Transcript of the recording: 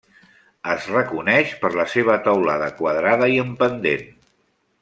Es reconeix per la seva teulada quadrada i en pendent.